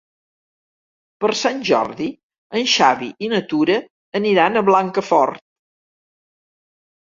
Per Sant Jordi en Xavi i na Tura aniran a Blancafort.